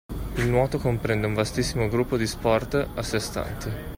Il nuoto comprende un vastissimo gruppo di sport a sè stanti